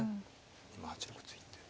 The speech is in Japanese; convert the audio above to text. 今８六突いて。